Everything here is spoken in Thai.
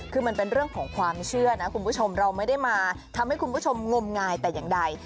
คือมันเป็นเรื่องของความเชื่อนะคุณผู้ชมเราไม่ได้มาทำให้คุณผู้ชมงมงายแต่อย่างใด